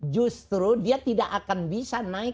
justru dia tidak akan bisa naik